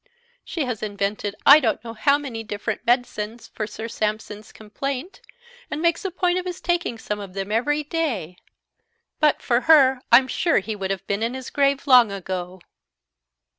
"She has invented I don't know how many different medicines for Sir Sampson's complaint, and makes a point of his taking some of them every day; but for her I'm sure he would have been in his grave long ago."